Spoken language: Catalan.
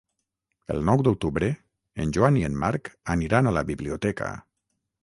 El nou d'octubre en Joan i en Marc aniran a la biblioteca.